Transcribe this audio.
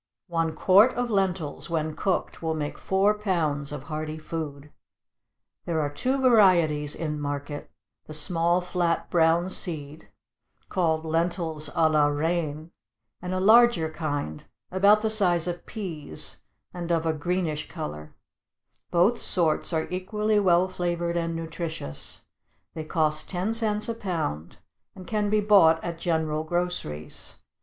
One quart of lentils when cooked will make four pounds of hearty food. There are two varieties in market; the small flat brown seed, called lentils à la reine; and a larger kind, about the size of peas, and of a greenish color; both sorts are equally well flavored and nutritious; they cost ten cents a pound, and can be bought at general groceries.